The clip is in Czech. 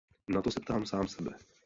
Na to se ptám sám sebe.